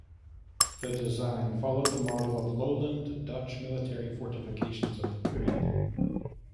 The design followed the model of lowland Dutch military fortifications of the period.